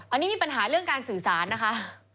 อันนี้มีปัญหาเรื่องการสื่อสารนะคะ